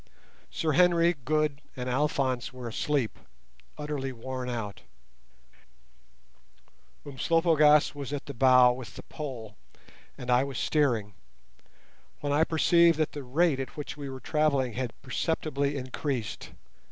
Sir Henry, Good, and Alphonse were asleep, utterly worn out; Umslopogaas was at the bow with the pole, and I was steering, when I perceived that the rate at which we were travelling had perceptibly increased.